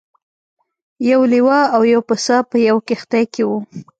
یو لیوه او یو پسه په یوه کښتۍ کې وو.